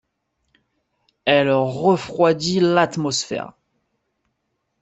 Elle refroidit l’atmosphère.